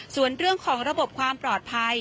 ส่วนเรื่องของระบบความปลอดภัย